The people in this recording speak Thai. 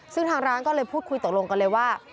ซึ่งทางร้านก็เลยพูดคุยตกลงกันเลยว่า